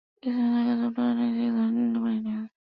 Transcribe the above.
He stood accused of tolerating six ritualistic practices.